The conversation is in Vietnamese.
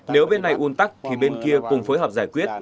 nếu bên này un tắc thì bên kia cùng phối hợp giải quyết